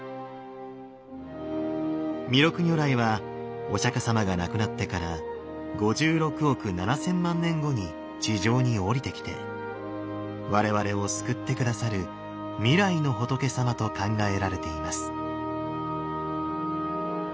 弥勒如来はお釈様が亡くなってから５６億７，０００万年後に地上に降りてきて我々を救って下さる未来の仏様と考えられています。